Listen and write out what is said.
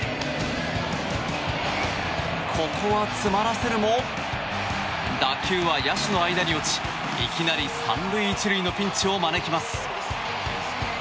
ここは詰まらせるも打球は野手の間に落ちいきなり３塁１塁のピンチを招きます。